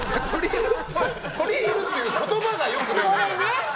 とり入るっていう言葉が良くない。